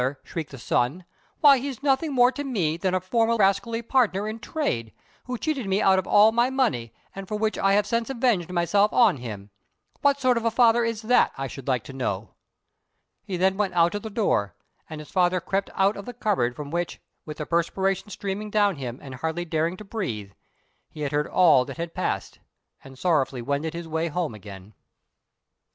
shrieked the son; "why he's nothing more to me than a former rascally partner in trade, who cheated me out of all my money, and for which I have since avenged myself on him. What sort of a father is that, I should like to know?" He then went out of the door; and his father crept out of the cupboard from which, with the perspiration streaming down him and hardly daring to breathe, he had heard all that had passed, and sorrowfully wended his way home again.